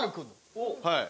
はい。